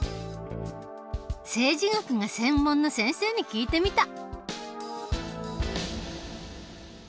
政治学が専門の先生に聞いてみた。